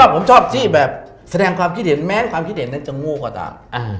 ผมชอบที่แสดงความคิดเห็นแล้วแม้ความคิดเห็นนั่นจะงูกว่าตาม